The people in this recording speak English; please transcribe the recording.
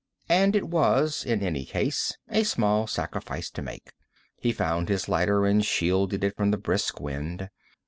And it was, in any case, a small sacrifice to make. He found his lighter and shielded it from the brisk wind.